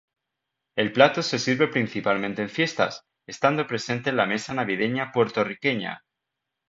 El plato se sirve principalmente en fiestas, estando presente en la mesa navideña puertorriqueña.